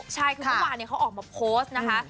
ใช่คือเมื่อวานเขาออกมาโพสต์นะคะ